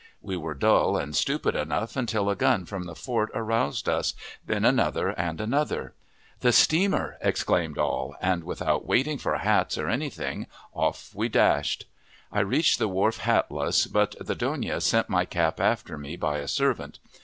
We were dull and stupid enough until a gun from the fort aroused us, then another and another. "The steamer" exclaimed all, and, without waiting for hats or any thing, off we dashed. I reached the wharf hatless, but the dona sent my cap after me by a servant.